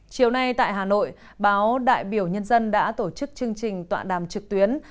chiều nay tại hà nội báo đại biểu nhân dân đã tổ chức chương trình tọa đàm trực tuyến